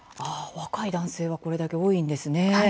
若い男性はこれだけ多いんですね。